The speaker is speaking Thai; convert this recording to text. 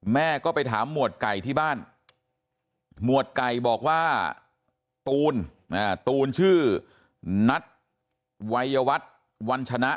แม่ก็ไปถามหมวดไก่ที่บ้านหมวดไก่บอกว่าตูนตูนชื่อนัทวัยวัฒน์วันชนะ